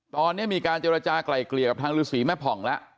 ตอนนี้มีการเจรจากลายเกลี่ยกับทางฤษีแม่ผ่องแล้ว